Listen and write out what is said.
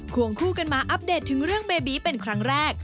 วงคู่กันมาอัปเดตถึงเรื่องเบบีเป็นครั้งแรก